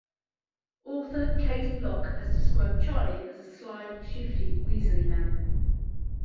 Author Kate Lock has described Charlie as a "sly, shifty, weaselly man".